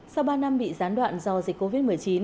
sau ba năm bị gián đoạn do dịch covid một mươi chín